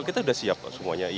kita sudah siap semuanya